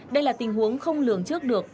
đây là tình huống không lường trước được